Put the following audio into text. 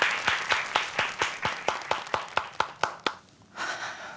はあ